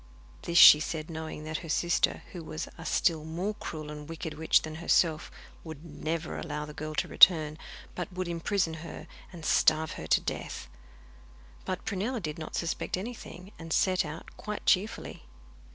This she said knowing that her sister, who was a still more cruel and wicked witch than herself, would never allow the girl to return, but would imprison her and starve her to death. But Prunella did not suspect anything, and set out quite cheerfully.